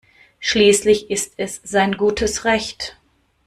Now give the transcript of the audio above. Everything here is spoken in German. Schließlich ist es sein gutes Recht.